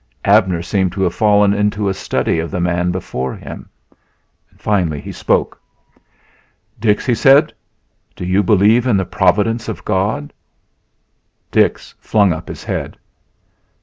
Abner seemed to have fallen into a study of the man before him. Finally he spoke: "Dix," he said, "do you believe in the providence of God?" Dix flung up his head.